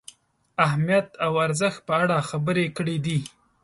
اهمیت او ارزښت په اړه خبرې کړې دي.